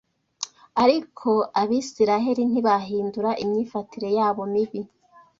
ariko Abisirayeli ntibahindura imyifatire yabo mibi.